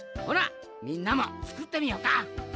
ほなみんなもつくってみよか！